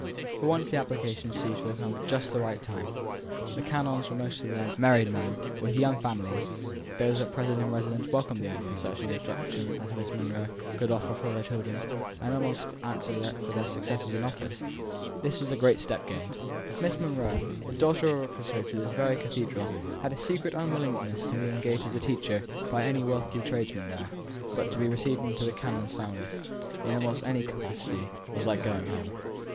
For once the application seemed to have come just at the right time. The canons were most of them married men, with young families; those at present in residence welcomed the idea of such instruction as Miss Monro could offer for their children, and could almost answer for their successors in office. This was a great step gained. Miss Monro, the daughter of a precentor to this very cathedral, had a secret unwillingness to being engaged as a teacher by any wealthy tradesman there; but to be received into the canons' families, in almost any capacity, was like going home.